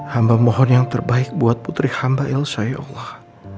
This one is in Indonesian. hamba mohon yang terbaik buat putri hamba elsa ya allah